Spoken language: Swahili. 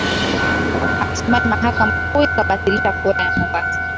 hatimaye mahakama kuu ikabatilisha kura ya Mombasa